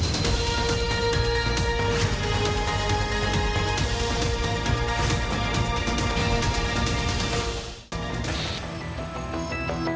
มีความจริงหรือไม่มีความจริง